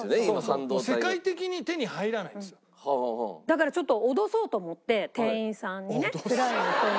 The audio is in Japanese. だからちょっと脅そうと思って店員さんにねフェラーリの人に。